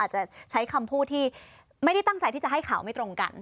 จะใช้คำพูดที่ไม่ได้ตั้งใจที่จะให้ข่าวไม่ตรงกัน